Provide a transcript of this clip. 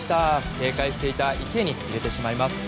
警戒していた池に入れてしまいました。